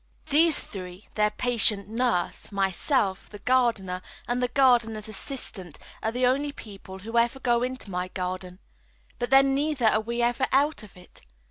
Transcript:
These three, their patient nurse, myself, the gardener, and the gardener's assistant, are the only people who ever go into my garden, but then neither are we ever out of it.